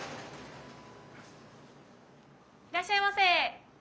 いらっしゃいませ。